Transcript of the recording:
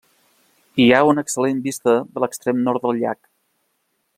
Hi ha una excel·lent vista de l'extrem nord del llac.